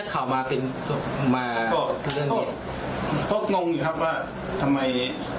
เขาก็งงอยู่ครับว่าทำไม